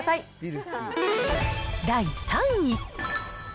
第３位。